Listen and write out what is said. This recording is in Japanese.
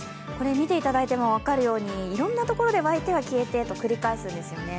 見ていただいても分かるように、いろんなところで湧いては消えてを繰り返すんですね。